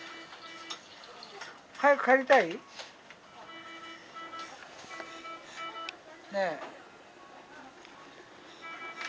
早く帰りたい？ねえ。